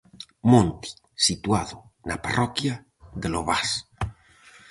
Monte situado na parroquia de Lobás.